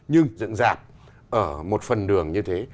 nhưng dựng dạng ở một phần đường như thế